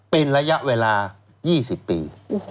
เป็นระยะเวลา๒๐ปี